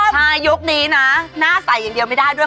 ใช่ยุคนี้นะหน้าใส่อย่างเดียวไม่ได้ด้วย